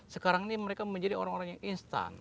sekarang ini mereka menjadi orang orang yang instan